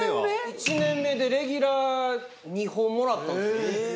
１年目でレギュラー２本もらったんすよ。